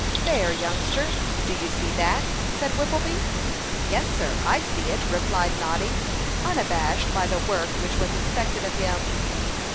"There, youngster, do you see that?" said Whippleby. "Yes, sir, I see it," replied Noddy, unabashed by the work which was expected of him.